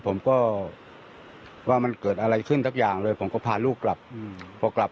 ผมก็ว่ามันเกิดอะไรขึ้นทุกอย่างเลยผมก็พาลูกกลับพอกลับ